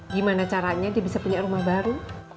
gimana caranya dia bisa punya rumah baru